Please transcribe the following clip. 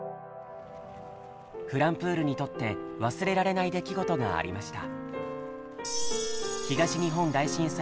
ｆｌｕｍｐｏｏｌにとって忘れられない出来事がありました。